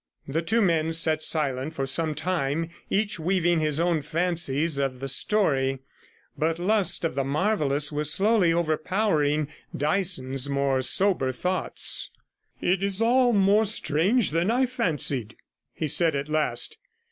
The two men sat silent for some time, each weaving his own fancies of the story; but lust of the marvellous was slowly overpowering Dyson's more sober thoughts. 'It is all more strange than I fancied,' he said at last.